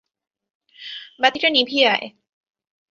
বাতিটা নিভিয়ে আয়।